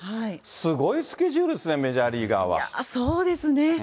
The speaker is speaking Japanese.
すごいスケジュールですね、そうですね。